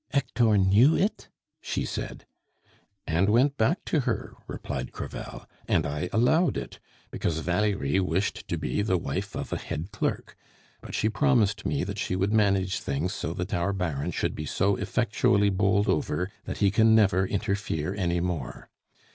"Hector knew it?" she said. "And went back to her," replied Crevel. "And I allowed it, because Valerie wished to be the wife of a head clerk; but she promised me that she would manage things so that our Baron should be so effectually bowled over that he can never interfere any more.